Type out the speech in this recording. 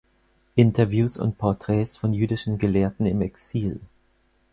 Interviews und Portraits von Jüdischen Gelehrten im Exil".